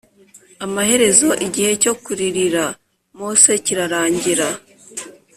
amaherezo igihe cyo kuririra mose kirarangira